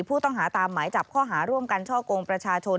ผู้ต้องหาตามหมายจับข้อหาร่วมกันช่อกงประชาชน